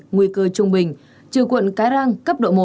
nguy cơ trung bình trừ quận cái răng cấp độ một